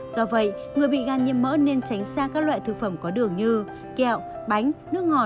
do vậy người bị gan nhiễm mỡ nên tránh xa các loại thực phẩm có đường như kẹo bánh nước ngọt